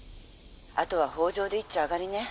「あとは北条でいっちょ上がりね」。